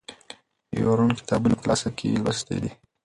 یوه روڼه کتابونه په کلاسه کې لوستي.